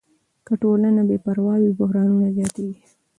که ټولنه بې پروا وي، بحرانونه زیاتېږي.